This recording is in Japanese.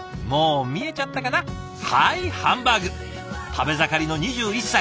食べ盛りの２１歳。